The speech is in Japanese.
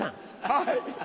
はい。